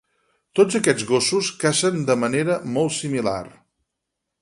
Tots aquests gossos cacen de manera molt similar.